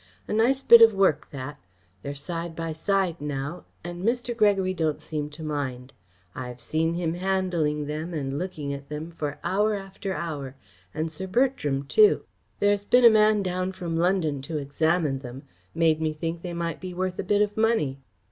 A nice bit of work, that. They're side by side now, and Mr. Gregory don't seem to mind. I've seen him handling them and looking at them for hour after hour, and Sir Bertram too. There's a man been down from London to examine them made me think they might be worth a bit of money."